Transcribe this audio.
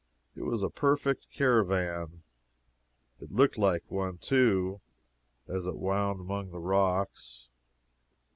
It was a perfect caravan. It looked like one, too, as it wound among the rocks.